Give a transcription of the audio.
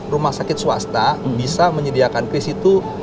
rumah sakit swasta bisa menyediakan kris itu